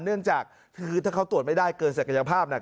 เนื่องจากคือถ้าเขาตรวจไม่ได้เกินศักยภาพน่ะ